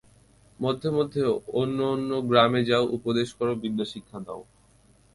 মধ্যে মধ্যে অন্য অন্য গ্রামে যাও, উপদেশ কর, বিদ্যা শিক্ষা দাও।